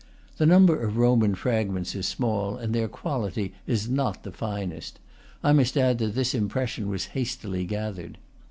The number of Roman fragments is small, and their quality is not the finest; I must add that this impression was hastily gathered.